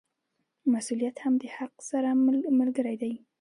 مسوولیت هم د حق سره ملګری دی.